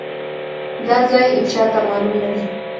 دا ځای ايچاته مالوم ندی.